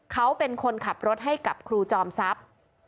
เขาเป็นคนขับรถให้กับครูจอมทรัพย์